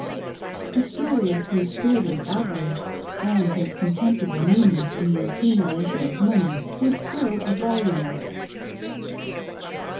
The story of his sordid avarice and his contemptible meanness in the accumulation of money would fill a volume.